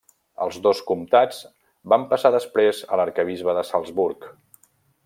Els dos comtats van passar després a l'arquebisbe de Salzburg.